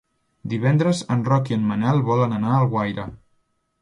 Divendres en Roc i en Manel volen anar a Alguaire.